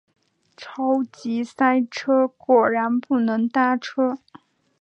超级塞车，果然不能搭车